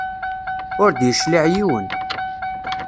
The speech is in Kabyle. Ur d-yecliɛ yiwen.